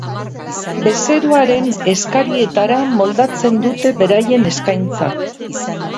Bezeroaren eskarietara moldatzen dute beraien eskaintza.